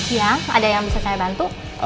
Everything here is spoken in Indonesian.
siang ada yang bisa saya bantu